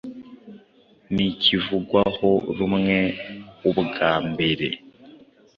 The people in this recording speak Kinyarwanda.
ntikivugwaho rumwe Ubwa mbere